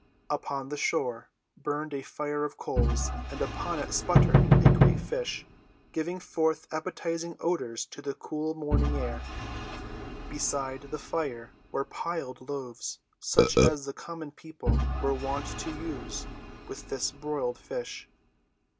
Upon the shore burned a fire of coals, and upon it sputtered a great fish, giving forth appetizing odors to the cool morning air. Beside the fire were piled loaves such as the common people were wont to use with this broiled fish.